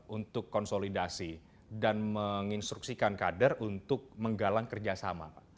untuk konsolidasi dan menginstruksikan kader untuk menggalang kerjasama